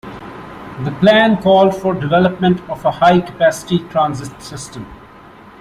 The plan called for development of a high-capacity transit system.